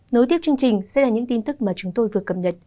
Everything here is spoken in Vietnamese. nối tiếp chương trình sẽ là những tin tức mà chúng tôi vừa cập nhật